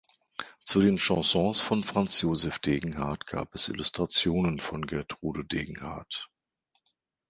Zu den Chansons von Franz Josef Degenhardt gab es Illustrationen von Gertrude Degenhardt.